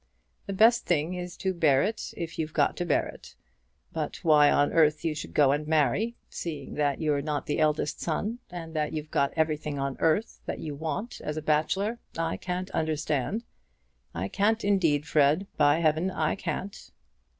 The best thing is to bear it if you've got it to bear. But why on earth you should go and marry, seeing that you're not the eldest son, and that you've got everything on earth that you want as a bachelor, I can't understand. I can't indeed, Fred. By heaven, I can't!"